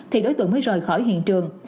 thì đối tượng mới rời khỏi hiện trường